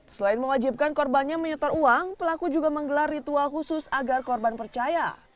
selain mewajibkan korbannya menyetor uang pelaku juga menggelar ritual khusus agar korban percaya